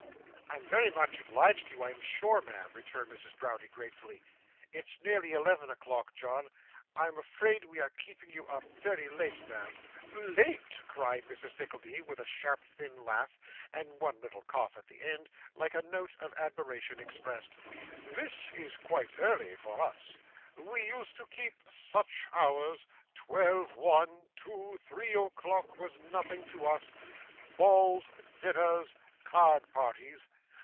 'I am very much obliged to you, I am sure, ma'am,' returned Mrs. Browdie, gratefully. 'It's nearly eleven o'clock, John. I am afraid we are keeping you up very late, ma'am.' 'Late!' cried Mrs. Nickleby, with a sharp thin laugh, and one little cough at the end, like a note of admiration expressed. 'This is quite early for us. We used to keep such hours! Twelve, one, two, three o'clock was nothing to us. Balls, dinners, card parties!